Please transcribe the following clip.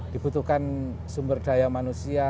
dibutuhkan sumber daya manusia